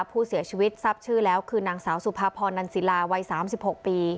ผู้เสียชีวิตทราบชื่อแล้วคือนางสาวสุภาพรนันศิลาวัย๓๖ปี